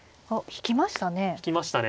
引きましたね。